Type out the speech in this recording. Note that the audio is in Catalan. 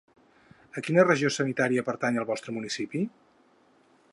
A quina regió sanitària pertany el vostre municipi?